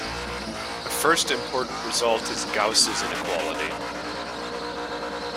A first important result is Gauss's inequality.